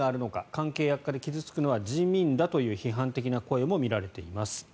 関係悪化で傷付くのは人民だという批判の声も見られています。